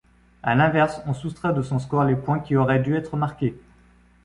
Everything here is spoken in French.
À l'inverse on soustrait de son score les points qui auraient dû être marqués.